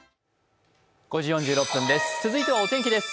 続いてはお天気です。